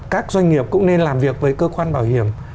các doanh nghiệp cũng nên làm việc với cơ quan bảo hiểm